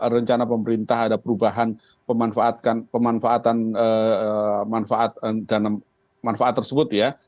rencana pemerintah ada perubahan pemanfaatan dana manfaat tersebut ya